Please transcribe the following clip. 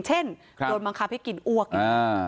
เช่นโดนบังคับให้กินอวกอยู่